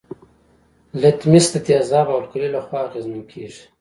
لتمس د تیزاب او القلي له خوا اغیزمن کیږي.